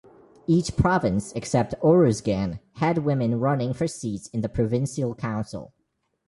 Each province, except Oruzgan, had women running for seats in the provincial council.